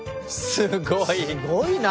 すごい！